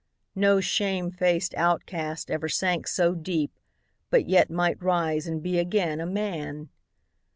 No shame faced outcast ever sank so deep, But yet might rise and be again a man